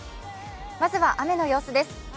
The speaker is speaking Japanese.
まずは雨の様子です。